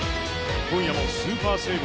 今夜もスーパーセーブ